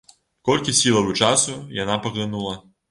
Колькі сілаў і часу яна паглынула!